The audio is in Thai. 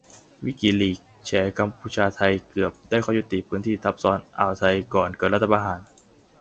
"วิกิลีกส์" แฉ "กัมพูชา-ไทย" เกือบได้ข้อยุติพื้นที่ทับซ้อนอ่าวไทย ก่อนเกิดรัฐประหาร